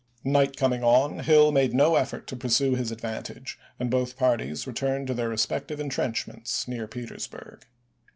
Night coming on, Hill made no effort to pursue his advantage and both parties returned to their respective intrenchments near Petersburg.